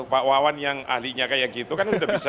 pak wawan yang ahlinya kayak gitu kan udah bisa